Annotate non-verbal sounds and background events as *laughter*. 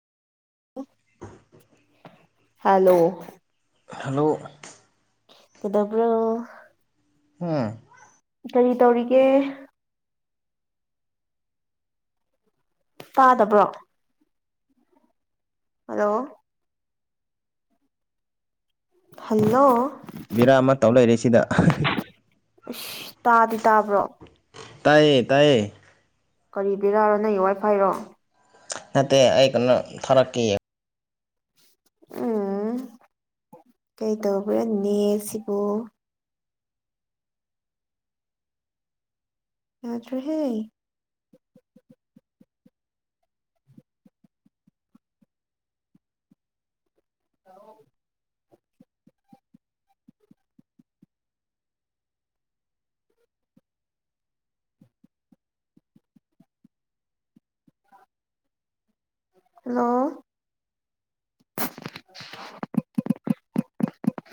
hello hello ꯀꯩꯗꯧꯕ꯭ꯔꯣ ꯑꯝ ꯀꯔꯤ ꯇꯧꯔꯤꯒꯦ ꯇꯥꯗꯕ꯭ꯔꯣ ꯍꯜꯂꯣ ꯍꯜꯂꯣ ꯕꯦꯔꯥ ꯑꯃ ꯇꯧ ꯂꯩꯔꯦ ꯁꯤꯗ ꯏꯁ ꯇꯥꯗꯤ ꯇꯥꯕ꯭ꯔꯣ ꯇꯥꯏꯌꯦ ꯇꯥꯏꯌꯦ ꯀꯔꯤ ꯄꯦꯔꯥꯔꯣ ꯅꯪꯒꯤ ꯋꯥꯏꯐꯥꯏꯔꯣ ꯅꯠꯇꯦ ꯑꯩ ꯀꯩꯅꯣ ꯊꯥꯔꯛꯀꯦ ꯌꯦꯡꯉꯣ ꯎꯝ ꯀꯩ ꯇꯧꯕ꯭ꯔꯥ ꯅꯦꯠ ꯁꯤꯕꯨ ꯌꯥꯗ꯭ꯔꯦꯍꯦ ꯑ *unintelligible* ꯍꯜꯂꯣ